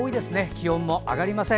気温も上がりません。